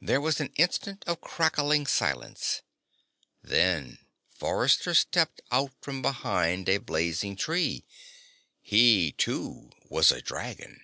There was an instant of crackling silence. Then Forrester stepped out from behind a blazing tree. He, too, was a dragon.